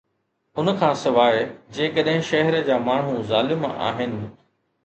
ان کان سواء، جيڪڏهن شهر جا ماڻهو ظالم آهن.